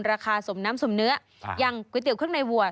ราคาสมน้ำสมเนื้ออย่างก๋วยเตี๋ยเครื่องในวัว